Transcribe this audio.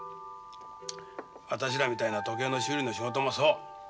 私らみたいな時計の修理の仕事もそう。